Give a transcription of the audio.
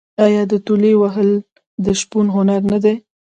آیا تولې وهل د شپون هنر نه دی؟